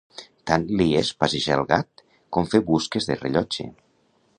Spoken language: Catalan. Tant li és passejar el gat com fer busques de rellotge.